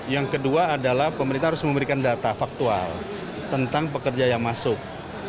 yang kedua adalah pemerintah harus memberikan data faktual tentang pekerja yang masuk